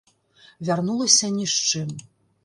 Вярнулася ні з чым.